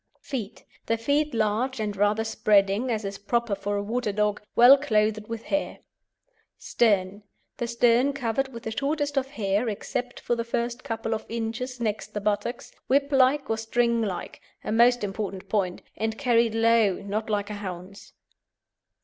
FEET The feet large and rather spreading as is proper for a water dog, well clothed with hair. STERN The stern covered with the shortest of hair, except for the first couple of inches next the buttocks, whiplike or stinglike (a most important point), and carried low, not like a hound's.